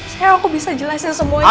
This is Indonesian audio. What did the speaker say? sekarang aku bisa jelasin semuanya